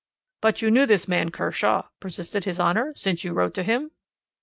"'But you knew this man Kershaw,' persisted his Honour, 'since you wrote to him?'